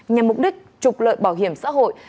nhằm mục đích trục lợi bảo hiểm xã hội